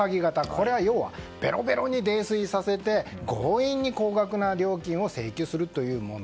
これは要はベロベロに泥酔させて強引に高額な料金を請求するというもの。